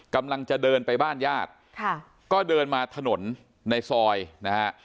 กำลังจะเดินไปบ้านญาติค่ะก็เดินมาถนนในซอยนะฮะ